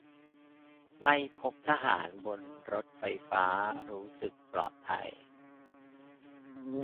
ไม่พบทหารบนรถไฟฟ้า รู้สึกปลอดภัย